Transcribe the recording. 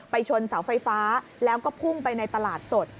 ชนเสาไฟฟ้าแล้วก็พุ่งไปในตลาดสด